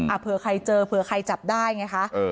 เผื่อใครเจอเผื่อใครจับได้ไงคะ